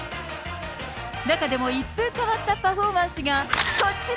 中でも一風変わったパフォーマンスがこちら。